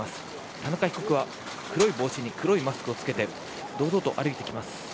田中被告は黒い帽子に黒いマスクを着けて堂々と歩いてきます。